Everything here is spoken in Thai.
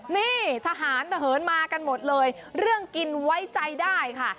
นี่ทหารตะเหินมากันหมดเลยเรื่องกินไว้ใจได้ค่ะ